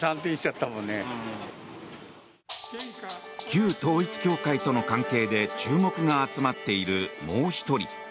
旧統一教会との関係で注目が集まっているもう一人。